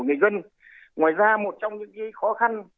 ngoài ra một trong những khó khăn